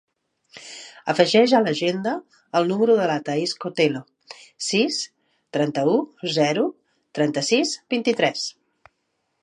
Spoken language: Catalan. Afegeix a l'agenda el número de la Thaís Cotelo: sis, trenta-u, zero, trenta-sis, vint-i-tres.